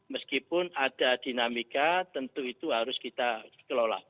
meskipun ada dinamika tentu itu harus kita kelola